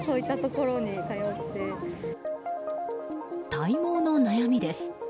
体毛の悩みです。